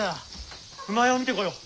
厩を見てこよう。